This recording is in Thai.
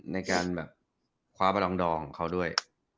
ในการคว้าบรรลองดองเขาด้วย